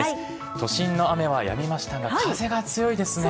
都心の雨はやみましたが風が強いですね。